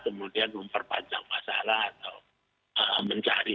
kemudian memperpanjang masalah atau mencari